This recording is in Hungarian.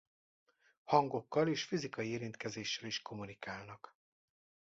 Hangokkal és fizikai érintkezéssel is kommunikálnak.